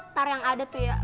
tar yang ada tuh ya